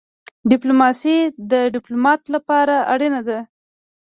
ډيپلوماسي د ډيپلومات لپاره اړینه ده.